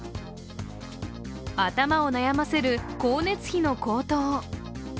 頭を悩ませる光熱費の高騰。